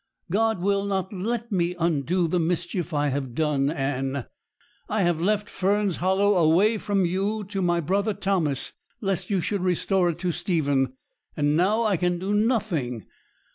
God will not let me undo the mischief I have done. Anne, I have left Fern's Hollow away from you to my brother Thomas, lest you should restore it to Stephen; and now I can do nothing!